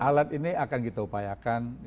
alat ini akan kita upayakan